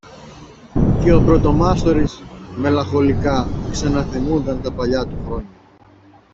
και ο πρωτομάστορης μελαγχολικά ξαναθυμούνταν τα παλιά του χρόνια